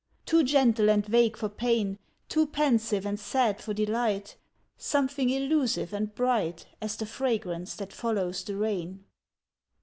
Too gentle and vague for pain, Too pensive and sad for delight, Something elusive and bright As the fragrance that follows the rain.